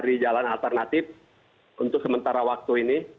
jadi jalan alternatif untuk sementara waktu ini